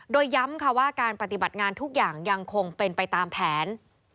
โดยย้ำค่ะว่าการปฏิบัติงานทุกอย่างยังคงเป็นไปตามแผน